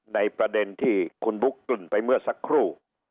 ในประเด็นที่คุณบุ๊คเกริ่นไปเมื่อสักครู่